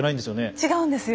違うんですよ。